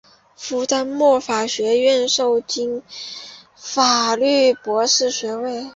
福坦莫法学院授予法律博士学位。